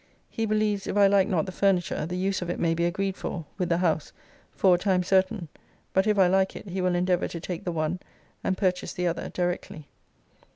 He believes, if I like not the furniture, the use of it may be agreed for, with the house, for a time certain: but, if I like it, he will endeavour to take the one, and purchase the other, directly.